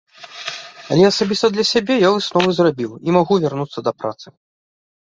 Але асабіста для сябе я высновы зрабіў, і магу вярнуцца да працы.